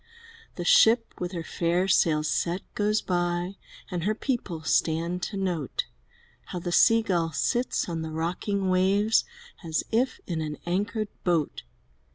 The ship, with her fair sails set, goes by. And her people stand to note How the Sea gull sits on the rocking waves As if in an anchored boat.